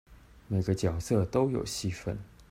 每個角色都有戲份